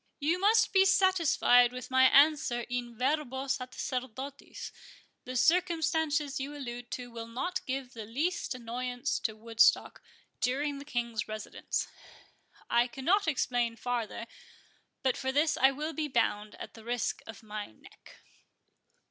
"You must be satisfied with my answer in verbo sacerdotis—the circumstances you allude to will not give the least annoyance to Woodstock during the King's residence. I cannot explain farther; but for this I will be bound, at the risk of my neck."